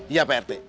iya pak rt